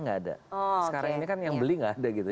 nggak ada sekarang ini kan yang beli nggak ada gitu